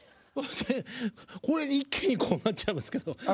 これで一気にこうなっちゃいますけど。